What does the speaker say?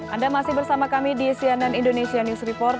anda masih bersama kami di cnn indonesia news report